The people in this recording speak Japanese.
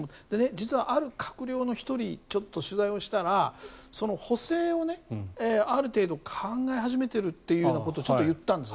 実は、ある閣僚の１人にちょっと取材をしたらその補正を、ある程度考え始めているということをちょっと言ったんです。